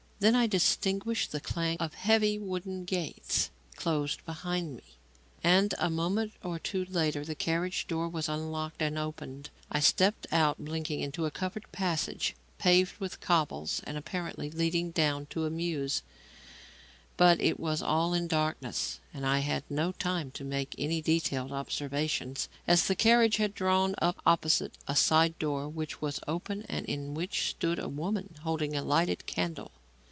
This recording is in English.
Then I distinguished the clang of heavy wooden gates closed behind me, and a moment or two later the carriage door was unlocked and opened. I stepped out blinking into a covered passage paved with cobbles and apparently leading down to a mews; but it was all in darkness, and I had no time to make any detailed observations, as the carriage had drawn up opposite a side door which was open and in which stood a woman holding a lighted candle.